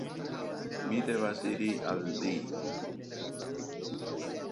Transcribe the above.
"Mi devas iri al li!"